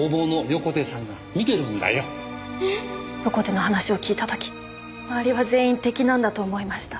横手の話を聞いた時周りは全員敵なんだと思いました。